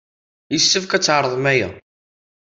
Yessefk ad tɛerḍem aya.